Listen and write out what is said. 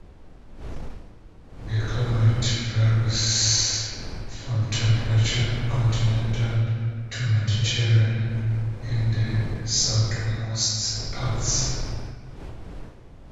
The climate varies from temperate continental to Mediterranean in the southernmost parts.